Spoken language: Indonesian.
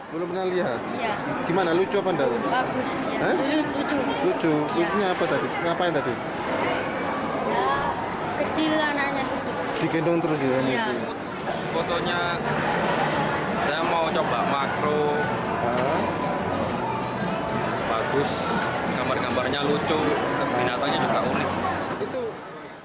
binatangnya juga unik